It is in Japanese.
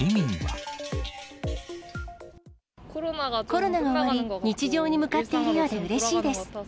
コロナが終わり、日常に向かっているようでうれしいです。